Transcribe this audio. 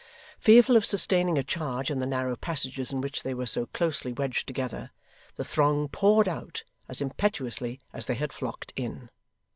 Fearful of sustaining a charge in the narrow passages in which they were so closely wedged together, the throng poured out as impetuously as they had flocked in.